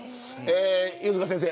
犬塚先生